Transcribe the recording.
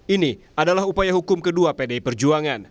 ini adalah upaya hukum kedua pdi perjuangan